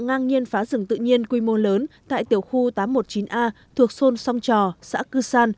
ngang nhiên phá rừng tự nhiên quy mô lớn tại tiểu khu tám trăm một mươi chín a thuộc thôn song trò xã cư san